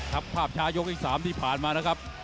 ครับภาพช้ายกที่๓ที่ผ่านมานะครับ